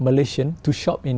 vì vậy chúng ta nên